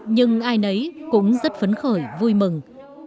nhưng ai nấy cũng rất phấn khởi vui mừng